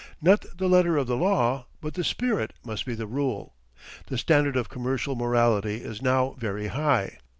Not the letter of the law, but the spirit, must be the rule. The standard of commercial morality is now very high.